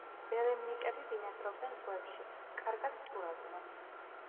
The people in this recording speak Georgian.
ბელემნიტები ბინადრობდნენ ზღვებში, კარგად ცურავდნენ.